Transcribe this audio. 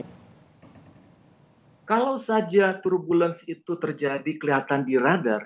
kalau saja turbulensi itu terjadi kelihatan di radar